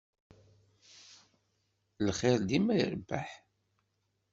Lxir dima irebbeḥ.